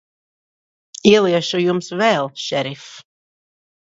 Ieliešu Jums vēl, šerif.